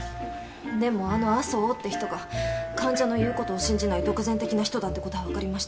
でもあの安生って人が患者の言うことを信じない独善的な人だってことはわかりました。